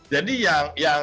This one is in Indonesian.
jadi yang yang